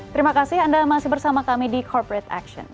terima kasih anda masih bersama kami di corporate action